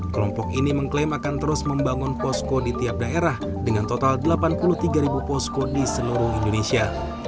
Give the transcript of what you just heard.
kelompok ini mengklaim akan terus membangun posko di tiap daerah dengan total delapan puluh tiga posko di seluruh indonesia